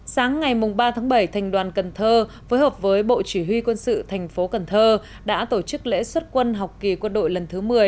sáng ngày ba tháng bảy thành đoàn cần thơ phối hợp với bộ chỉ huy quân sự thành phố cần thơ đã tổ chức lễ xuất quân học kỳ quân đội lần thứ một mươi